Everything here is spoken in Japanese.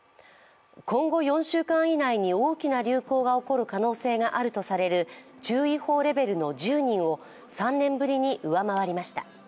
今後４週間以内に大きな流行が起こる可能性があるとされる注意報レベルの１０人を３年ぶりに上回りました。